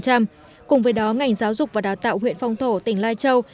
cùng với đó ngành giáo dục và đào tạo huyện phong thổ tỉnh lai châu